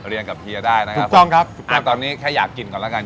เรียนกับเฮียได้นะครับถูกต้องครับตอนนี้แค่อยากกินก่อนแล้วกัน